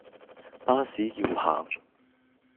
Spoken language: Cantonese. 巴士要行